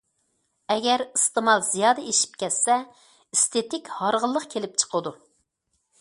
ئەگەر ئىستېمال زىيادە ئېشىپ كەتسە، ئېستېتىك ھارغىنلىق كېلىپ چىقىدۇ.